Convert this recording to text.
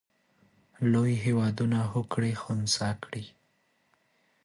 لوی هېوادونه هوکړې خنثی کړي.